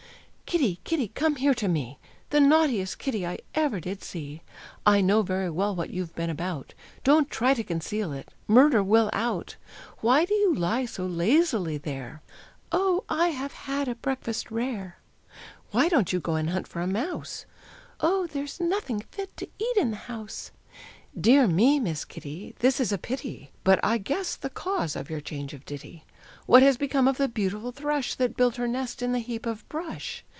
"Kitty, Kitty, come here to me, The naughtiest Kitty I ever did see! I know very well what you've been about; Don't try to conceal it, murder will out. Why do you lie so lazily there?" "Oh, I have had a breakfast rare!" "Why don't you go and hunt for a mouse?" "Oh, there's nothing fit to eat in the house." "Dear me! Miss Kitty, This is a pity; But I guess the cause of your change of ditty. What has become of the beautiful thrush That built her nest in the heap of brush?